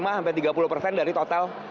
dari total pesanan yang diberikan